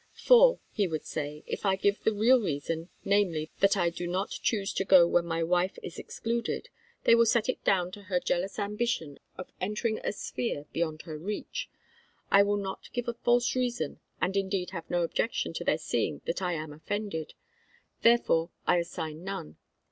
"For," he would say, "if I give the real reason, namely, that I do not choose to go where my wife is excluded, they will set it down to her jealous ambition of entering a sphere beyond her reach; I will not give a false reason, and indeed have no objection to their seeing that I am offended; therefore, I assign none.